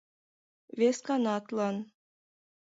Весканатлан.